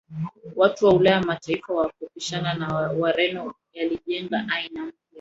watu wa Ulaya Mataifa ya Wahispania na Wareno yalijenga aina mpya